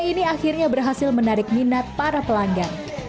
ini akhirnya berhasil menarik minat para pelanggan